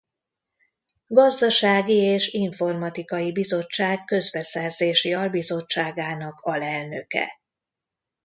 Gazdasági és informatikai bizottság közbeszerzési albizottságának alelnöke.